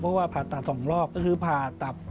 เพราะว่าผ่าตัด๒รอบก็คือผ่าตัด